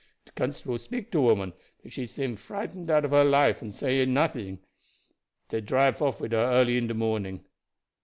De constable speak to woman, but she seem frightened out of her life and no say anything. Dey drive off wid her early in de morning.